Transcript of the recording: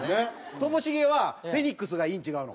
ともしげはフェニックスがいいん違うの？